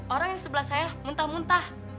orang yang sebelah saya muntah muntah